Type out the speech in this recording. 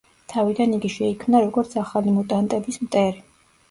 თავიდან იგი შეიქმნა როგორც ახალი მუტანტების მტერი.